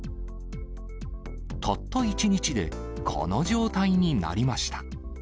たった１日でこの状態になりました。